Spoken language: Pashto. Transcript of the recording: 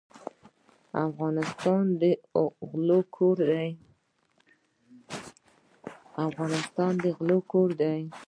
افغانستان د غلو کور دی.